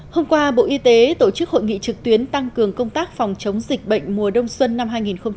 hôm qua bộ y tế tổ chức hội nghị trực tuyến tăng cường công tác phòng chống dịch bệnh mùa đông xuân năm hai nghìn hai mươi